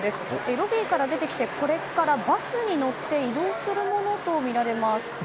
ロビーから出てきてこれからバスに乗って移動するものとみられます。